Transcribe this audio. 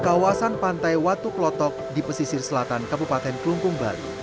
kawasan pantai watu klotok di pesisir selatan kabupaten kelumpung bali